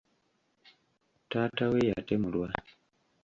Taata we yatemulwa.